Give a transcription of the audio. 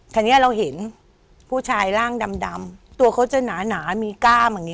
คราวนี้เราเห็นผู้ชายร่างดำตัวเขาจะหนามีกล้ามอย่างนี้